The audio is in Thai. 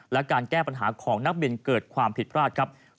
และการแก้ปัญหาของนักบินเกิดความผิดพลาดครับ